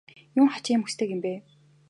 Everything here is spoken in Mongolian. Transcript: Юун хачин юм хүсдэг юм бэ?